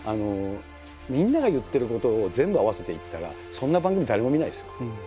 みんなが言ってることを全部合わせていったらそんな番組誰も見ないですよ。